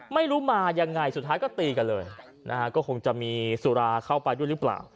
ไม่รู้มายังไงสุดท้ายก็ตีกันเลยนะฮะก็คงจะมีสุราเข้าไปด้วยหรือเปล่า